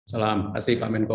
salam kasih pak menko